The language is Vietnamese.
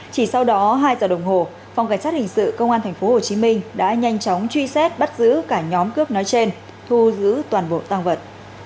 chỉ sau đó hai giờ đồng hồ phòng cảnh sát hình sự công an tp hcm đã nhanh chóng truy xét bắt giữ cả nhóm cướp nói trên thu giữ toàn bộ tăng vật